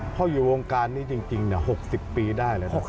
เพราะอยู่วงการนี้จริง๖๐ปีได้เลยนะ